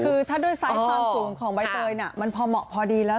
คือถ้าด้วยไซส์ความสูงของใบเตยมันพอเหมาะพอดีแล้ว